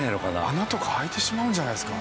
穴とか開いてしまうんじゃないですか？